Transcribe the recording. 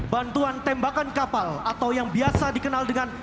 bantuan tembakan kapal atau yang biasa dikenal dengan